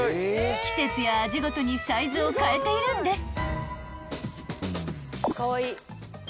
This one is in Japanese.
［季節や味ごとにサイズを変えているんです］